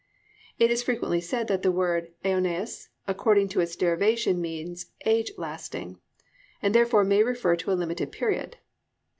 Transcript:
It is frequently said that the word aionios according to its derivation means age lasting, and therefore may refer to a limited period.